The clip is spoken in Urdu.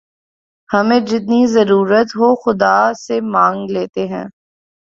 ہمیں جتنی ضرورت ہو خدا سے مانگ لیتے ہیں